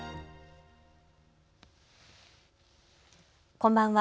こんばんは。